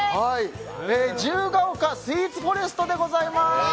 自由が丘スイーツフォレストでございます！